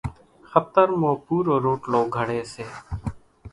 ۿترمون پُورو روٽلو گھڙي سي